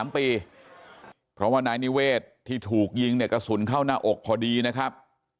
เพราะว่านายนิเวศที่ถูกยิงเนี่ยกระสุนเข้าหน้าอกพอดีนะครับ